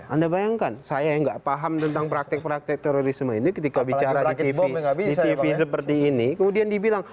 anda bayangkan saya yang nggak paham tentang praktek praktek terorisme ini ketika bicara di tv seperti ini kemudian dibilang